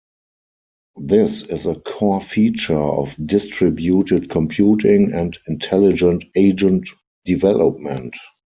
This is a core feature of distributed computing and intelligent agent development.